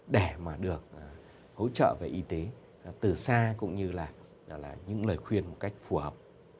để mà được hỗ trợ về y tế từ xa cũng như là những lời khuyên một cách phù hợp